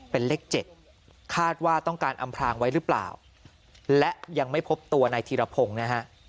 เป็นเลข๗คาดว่าต้องการอำพลางไว้หรือเปล่าและยังไม่พบตัวนายธีรพงศ์นะฮะ